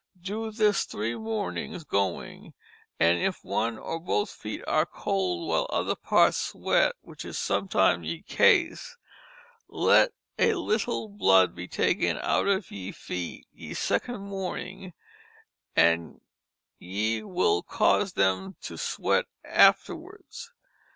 Do this 3 mornings going & if one or both feet are Cold while other Parts sweat (which is sometimes ye Case) Let a little blood be taken out of ye feet ye 2nd Morning and yt will cause them to sweat afterwards.